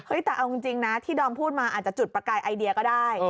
แต่เอาจริงนะที่ดอมพูดมาอาจจะจุดประกายไอเดียก็ได้